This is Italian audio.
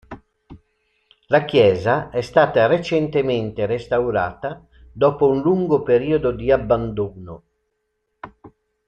La chiesa è stata recentemente restaurata dopo un lungo periodo di abbandono.